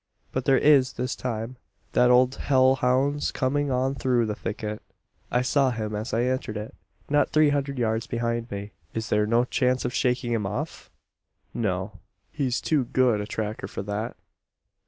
But there is this time. That old hell hound's coming on through the thicket. I saw him as I entered it not three hundred yards behind me. "Is there no chance of shaking him off? No. He's too good a tracker for that.